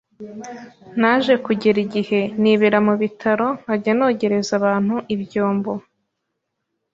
Naje kugera igihe nibera mu bitaro nkajya nogereza abantu ibyombo